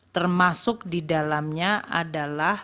termasuk di dalamnya adalah